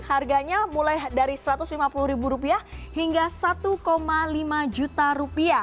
harganya mulai dari rp satu ratus lima puluh hingga rp satu lima juta